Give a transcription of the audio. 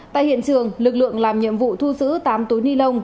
tại hiện trường lực lượng làm nhiệm vụ thu giữ tám túi ni lông